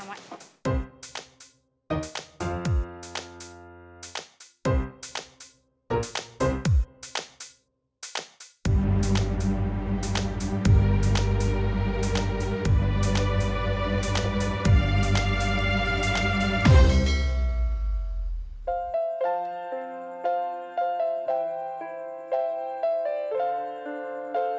ya tinggal minum ya